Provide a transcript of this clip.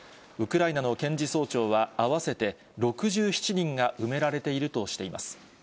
ウクライナの検事総長は、合わせて６７人が埋められているとしています。